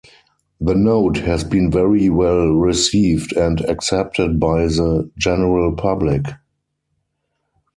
The note has been very well received and accepted by the general public.